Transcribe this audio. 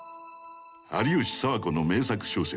有吉佐和子の名作小説